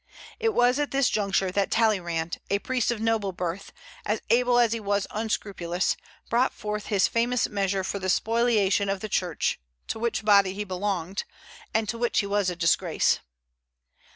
It was at this juncture that Talleyrand, a priest of noble birth, as able as he was unscrupulous, brought forth his famous measure for the spoliation of the Church, to which body he belonged, and to which he was a disgrace.